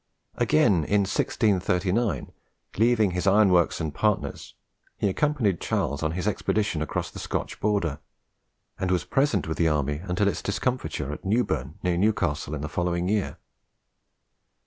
Again in 1639, leaving his ironworks and partners, he accompanied Charles on his expedition across the Scotch border, and was present with the army until its discomfiture at Newburn near Newcastle in the following year.